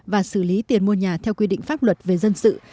và xử lý tiền mua nhà theo quy định pháp luật về dân sự